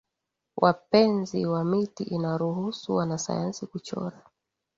wapenzi wa miti Inaruhusu wanasayansi kuchora